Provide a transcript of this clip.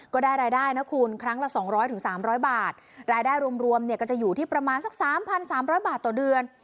ก็ได้รายได้น่ะคุณครั้งละ๒๐๐บาทถึง๓๐๐บาทรายได้รวมจะอยู่ที่ประหมาตรฐานซัก๓๓๐๐บาทต่อเดือน